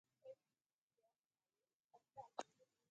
هلمند سیند د افغانستان د ولایاتو په کچه توپیر لري.